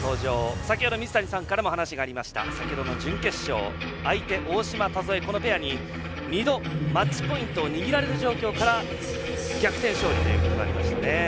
先ほど水谷さんからも話がありました先ほどの準決勝相手、大島、田添このペアに２度、マッチポイントを握られる状況から逆転勝利ということになりました。